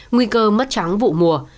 nguy cơ mất trắng vụ mùa